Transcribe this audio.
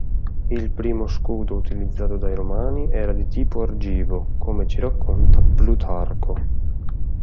Il primo scudo utilizzato dai Romani era di tipo argivo, come ci racconta Plutarco.